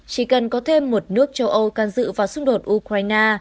chỉ cần có thêm một nước châu âu can dự vào xung đột ukraine